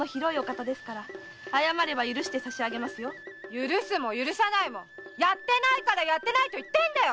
許すも許さないもやってないって言ってんだよ！